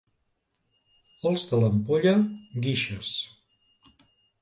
Els de l'Ampolla, guixes.